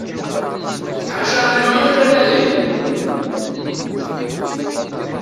Ḥaca alluy ara nali.